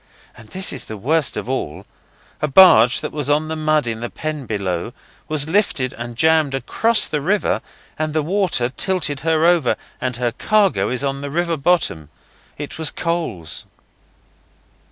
And this is the worst of all a barge, that was on the mud in the pen below, was lifted and jammed across the river and the water tilted her over, and her cargo is on the river bottom. It was coals.